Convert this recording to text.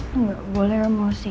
lo nggak boleh emosi